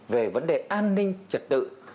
về vấn đề an ninh trật tự